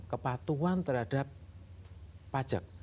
kepatuan terhadap pajak